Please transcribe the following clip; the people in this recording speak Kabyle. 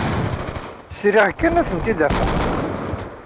Sriɣ kan ad tent-id-afeɣ.